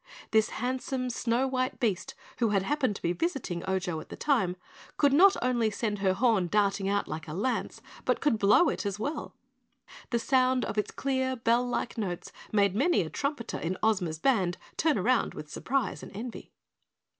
This handsome snow white beast, who had happened to be visiting Ojo at the time, could not only send her horn darting out like a lance, but could blow it as well. The sound of its clear, bell like notes made many a trumpeter in Ozma's band turn round with surprise and envy.